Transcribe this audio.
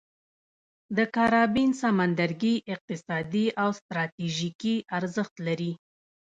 د کارابین سمندرګي اقتصادي او ستراتیژیکي ارزښت لري.